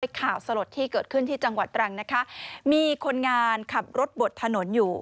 ข่าวสลดที่เกิดขึ้นที่จังหวัดตรังนะคะมีคนงานขับรถบดถนนอยู่